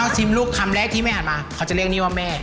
ชิมลูกคำแรกที่แม่หันมาเขาจะเรียกนี่ว่าแม่